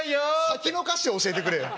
先の歌詞教えてくれよ。